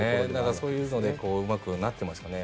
そういうのでうまくなっていますね。